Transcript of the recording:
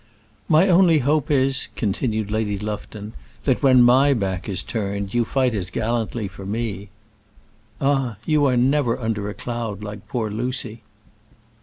"My only hope is," continued Lady Lufton, "that when my back is turned you fight as gallantly for me." "Ah, you are never under a cloud, like poor Lucy."